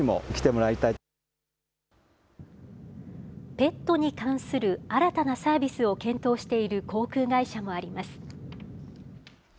ペットに関する新たなサービスを検討している航空会社もあります。